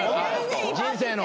人生の。